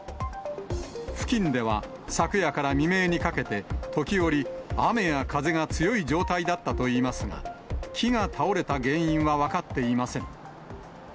付近では、昨夜から未明にかけて時折、雨や風が強い状態だったといいますが、木が倒れた原因は分かっていません。